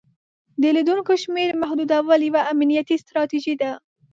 د لیدونکو شمیر محدودول یوه امنیتي ستراتیژي ده.